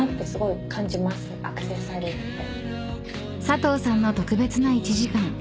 ［佐藤さんの特別な１時間］